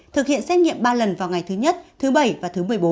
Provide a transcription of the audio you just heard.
thực hiện xét nghiệm ba lần vào ngày thứ nhất thứ bảy và thứ một mươi bốn